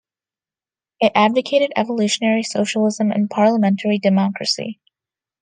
It advocated evolutionary socialism and parliamentary democracy.